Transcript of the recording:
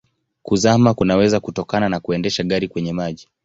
Kuzama kunaweza kutokana na kuendesha gari kwenye maji.